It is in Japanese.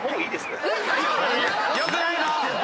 よくないぞ！